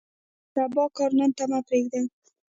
د سبا کار نن ته مه پرېږدئ.